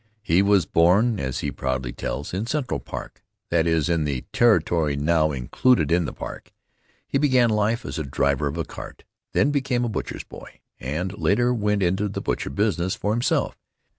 He was born, as he proudly tells, in Central Park that is, in the territory now included in the park. He began life as a driver of a cart, then became a butcher's boy, and later went into the butcher business for himself.